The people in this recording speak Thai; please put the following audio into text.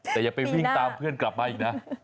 แต่อย่าไปวิ่งตามเพื่อนกลับมาอีกนะ